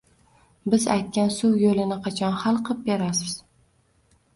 Biz aytgan suv yo`lini qachon hal qilib berasiz